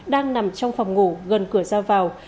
đang nằm trong phòng ngủ gần cửa ra vào